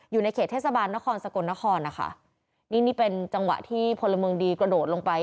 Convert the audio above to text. อยู่ในเขตเทศบาลนครสกลนครนะคะนี่นี่เป็นจังหวะที่พลเมืองดีกระโดดลงไป